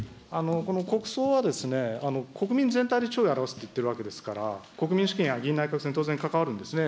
この国葬は、国民全体で弔意を表すと言っているわけですから、国民主権や議院内閣制に当然関わるんですね。